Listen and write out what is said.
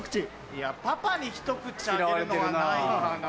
いやパパにひと口あげるのはないかな。